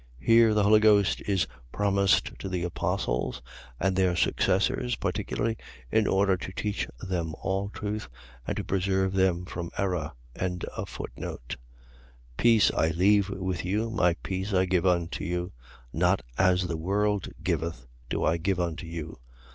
. .Here the Holy Ghost is promised to the apostles and their successors, particularly, in order to teach them all truth, and to preserve them from error. 14:27. Peace I leave with you: my peace I give unto you: not as the world giveth, do I give unto you.